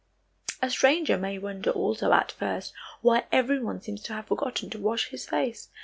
A stranger may wonder also at first why everyone seems to have forgotten to wash his face.